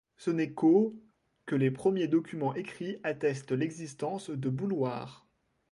Ce n'est qu'au que les premiers documents écrits attestent l'existence de Bouloire.